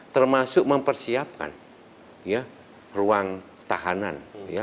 termasuk mempersiapkan ruang tahanan